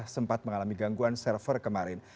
sempat mengalami gangguan server kemarin